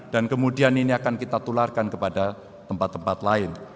dan kemudian ini akan kita tularkan kepada tempat tempat lain